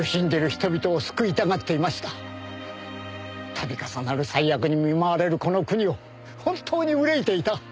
度重なる災厄に見舞われるこの国を本当に憂いていた。